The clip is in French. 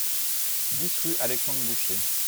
dix rue Alexandre Boucher